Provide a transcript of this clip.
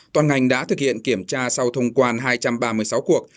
toàn ngành đã thực hiện kiểm tra sau thông quan hai trăm ba mươi sáu cuộc